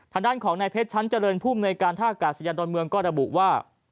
ทางด้านของนายเพชรชั้นเจริญภูมิในการท่ากาศยานดอนเมืองก็ระบุว่า